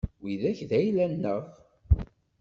Widak d ayla-nneɣ.